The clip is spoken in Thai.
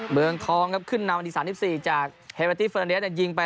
ยุทธพงศ์๔ละครนะครับกัปตันทีมสุโขทัย